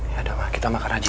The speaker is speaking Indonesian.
ya udah ma kita makan aja